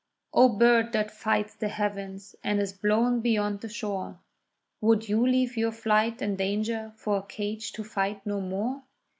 O bird that fights the heavens, and is blown beyond the shore, Would you leave your flight and danger for a cage to fight no more?